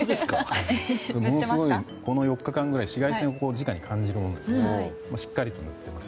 ものすごい、この４日間くらい紫外線をじかに感じるんですがしっかりとやってます。